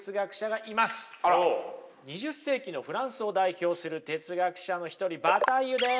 ２０世紀のフランスを代表する哲学者の一人バタイユです。